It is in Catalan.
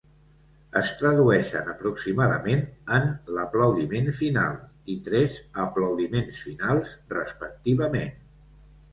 Es tradueixen aproximadament en "l'aplaudiment final" i "tres aplaudiments finals", respectivament.